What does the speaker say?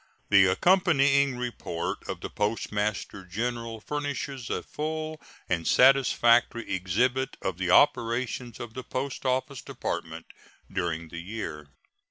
The accompanying report of the Postmaster General furnishes a full and satisfactory exhibit of the operations of the Post Office Department during the year.